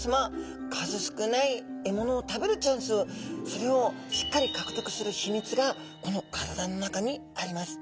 数少ない獲物を食べるチャンスそれをしっかり獲得する秘密がこの体の中にあります。